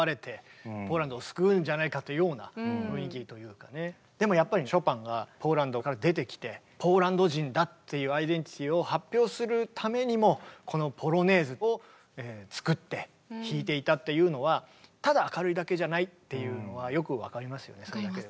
まさしくでもやっぱりショパンがポーランドから出てきてポーランド人だっていうアイデンティティーを発表するためにもこの「ポロネーズ」を作って弾いていたっていうのはただ明るいだけじゃないっていうのはよく分かりますよね。